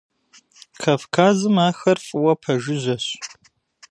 Кавказым ахэр фӏыуэ пэжыжьэщ.